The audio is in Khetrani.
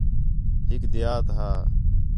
ہِک دیہات ہا